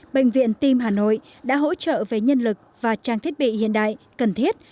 bệnh viện tim hà nội đã hỗ trợ về nhân lực và trang thiết bị hiện đại cần thiết